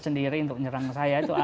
sendiri untuk nyerang saya itu